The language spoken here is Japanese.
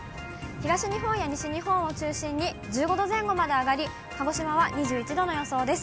東日本や西日本を中心に、１５度前後まで上がり、鹿児島は２１度の予想です。